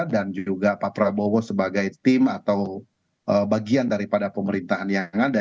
dan juga pak prabowo sebagai tim atau bagian daripada pemerintahan yang ada